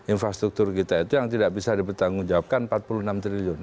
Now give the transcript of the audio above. infrastruktur kita itu yang tidak bisa dipertanggungjawabkan rp empat puluh enam triliun